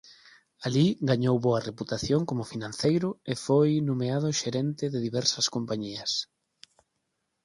Alí gañou boa reputación como financeiro e foi nomeado xerente de diversas compañías.